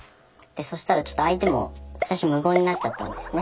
そしたらちょっと相手も最初無言になっちゃったんですね。